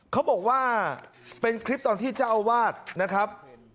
เขาบอกว่าเป็นคลิปตอนที่เจ้าอาวาสนะครับ